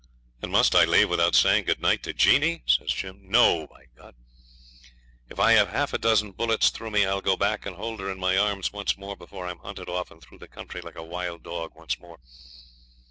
'And must I leave without saying good night to Jeanie?' says Jim. 'No, by ! If I have half a dozen bullets through me, I'll go back and hold her in my arms once more before I'm hunted off and through the country like a wild dog once more.